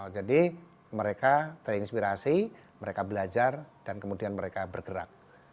jadi mereka terinspirasi mereka belajar dan kemudian mereka bergerak